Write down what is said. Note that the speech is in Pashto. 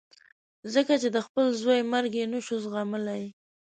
ځکه چې د خپل زوی مرګ یې نه شو زغملای.